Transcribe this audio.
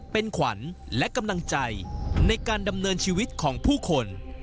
เป็นขวัญและกำลังใจในการดำเนินชีวิตของผู้คน